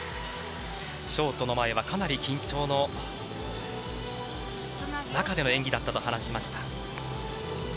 ショートの前はかなり緊張の中での演技だったと話しました。